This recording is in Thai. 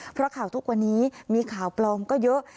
เพราะข่าวทุกวันนี้มีข่าวปลอมก็เยอะ